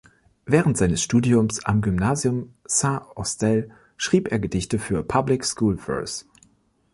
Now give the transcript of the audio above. Während seines Studiums am Gymnasium Saint Austell schrieb er Gedichte für "Public School Verse".